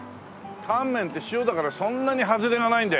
タンメンって塩だからそんなに外れがないんだよね。